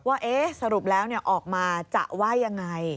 ว่าเอ๊ะสรุปแล้วเนี่ยออกมาจะว่ายังไง